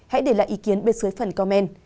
hãy để lại ý kiến bên dưới phần comment